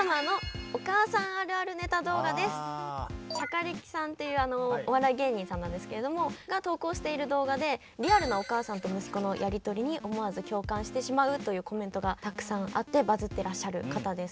しゃかりきさんっていうお笑い芸人さんなんですけれどもが投稿している動画でリアルなお母さんと息子のやりとりに思わず共感してしまうというコメントがたくさんあってバズってらっしゃる方です。